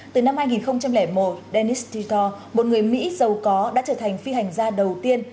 từ năm hai nghìn một dennis titor một người mỹ giàu có đã trở thành phi hành gia đầu tiên